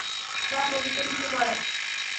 বা কবিতা লিখতে পারো?